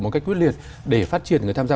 một cách quyết liệt để phát triển người tham gia